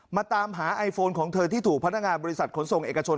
มาตามหาไอโฟนของเธอที่ถูกพนักงานบริษัทขนส่งเอกชน